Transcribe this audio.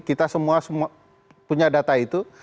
kita semua punya data itu